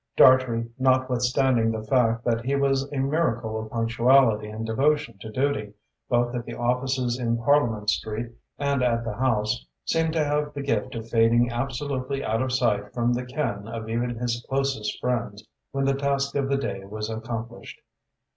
Dartrey, notwithstanding the fact that he was a miracle of punctuality and devotion to duty, both at the offices in Parliament Street and at the House, seemed to have the gift of fading absolutely out of sight from the ken of even his closest friends when the task of the day was accomplished.